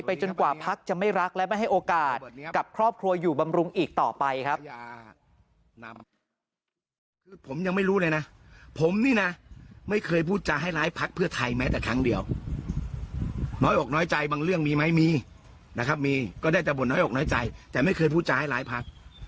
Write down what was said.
จนกว่าพักจะไม่รักและไม่ให้โอกาสกับครอบครัวอยู่บำรุงอีกต่อไปครับ